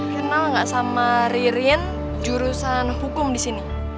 kenal nggak sama ririn jurusan hukum disini